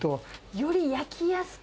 より焼きやすく？